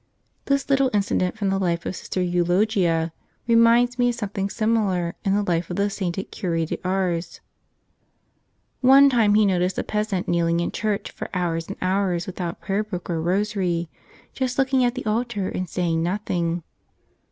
This little incident from the life of Sister Eulogia reminds me of something similar in the life of the sainted Cure d'Ars. One time he noticed a peasant kneeling in church for hours and hours without pray erbook or rosary — just looking at the altar and saying nothing.